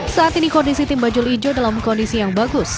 saat ini kondisi tim bajul ijo dalam kondisi yang bagus